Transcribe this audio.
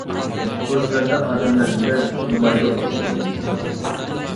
كوچىلاردا ئادەملەر يۈرەر، تونۇمايدۇ ھېچكىمنى ھېچكىم.